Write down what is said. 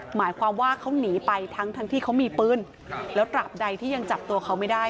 หมายความว่าเขาหนีไปทั้งทั้งที่เขามีปืนแล้วตราบใดที่ยังจับตัวเขาไม่ได้